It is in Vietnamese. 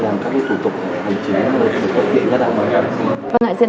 và thực hiện các ảnh hưởng